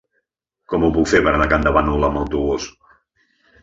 Com ho puc fer per anar a Campdevànol amb autobús?